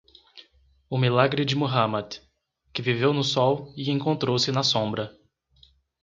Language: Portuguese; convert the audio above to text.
O milagre de Muhammad, que viveu no sol e encontrou-se na sombra.